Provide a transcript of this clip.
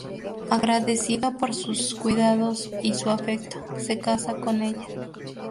Agradecido por sus cuidados y su afecto, se casa con ella.